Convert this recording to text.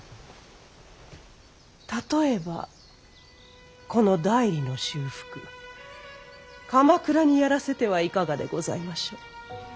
例えばこの内裏の修復鎌倉にやらせてはいかがでございましょう。